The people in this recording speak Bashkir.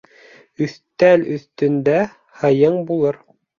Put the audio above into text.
Өҫтәл өҫтөндә һыйың булыр.